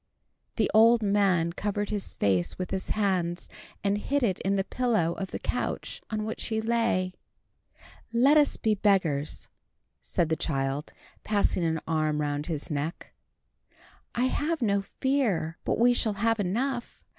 The old man covered his face with his hands, and hid it in the pillow of the couch on which he lay. "Let us be beggars," said the child, passing an arm round his neck. "I have no fear but we shall have enough.